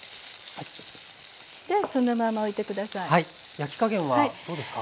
焼き加減はどうですか？